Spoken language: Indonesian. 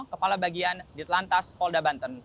kepala bagian ditlantas polda banten